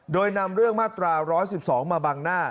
โดยนำเรื่องมาตรา๑๑๒มาบังหน้า